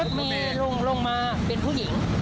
เมียลงมาเป็นผู้หญิง